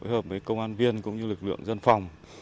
hợp với công an viên cũng như lực lượng dân phòng